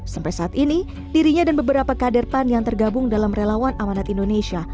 sampai saat ini dirinya dan beberapa kader pan yang tergabung dalam relawan amanat indonesia